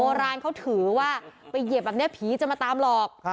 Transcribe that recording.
โบราณเขาถือว่าไปเหยียบแบบนี้ผีจะมาตามหลอก